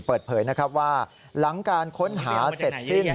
เปิดเผยนะครับว่าหลังการค้นหาเสร็จสิ้น